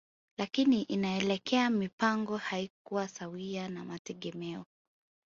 Lakini inaelekea mipango haikuwa sawia na mategemeo